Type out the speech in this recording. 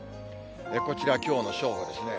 こちら、きょうの正午ですね。